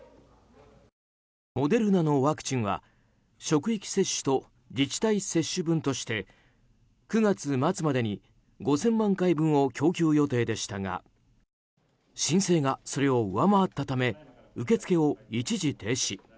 モデルナのワクチンは職域接種と自治体接種分として９月末までに５０００万回分を供給予定でしたが申請がそれを上回ったため受け付けを一時停止。